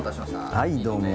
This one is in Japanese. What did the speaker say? はいどうも。